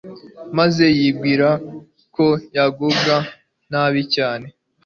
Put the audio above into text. maze yibwira ko yagubwa nabi cyane,